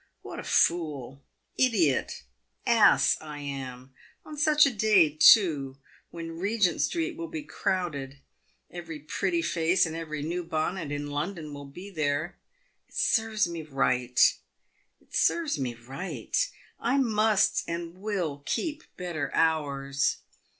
What a fool, idiot, ass I am ! On such a day, too, when Regent street will be crowded ! Every pretty face and every new bonnet in London will be there. It serves s 258 PAVED "WITH GOLD. me right — it serves me right ! I must and will keep better hours